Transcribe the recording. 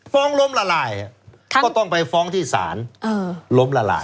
ล้มละลายก็ต้องไปฟ้องที่ศาลล้มละลาย